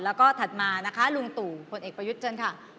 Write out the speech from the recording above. แล้วก็ถัดมานะคะลุงตู่พลเอกประยุทธ์เชิญค่ะ